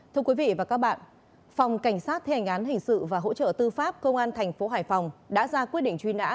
thưa quý vị và các bạn phòng cảnh sát thi hành án hình sự và hỗ trợ tư pháp công an thành phố hải phòng đã ra quyết định truy nã